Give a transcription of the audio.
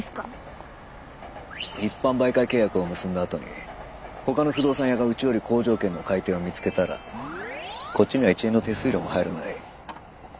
一般媒介契約を結んだあとにほかの不動産屋がうちより好条件の買い手を見つけたらこっちには一円の手数料も入らない。